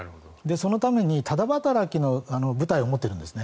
そのためにタダ働きの部隊を持っているんです。